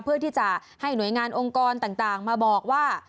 เพื่อที่จะให้หน่วยงานองค์กรต่างมาบอกว่า